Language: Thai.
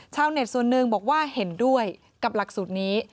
ชาวเน็ตส่วนหนึ่งบอกว่าเห็นด้วยกับหลักสูตรนี้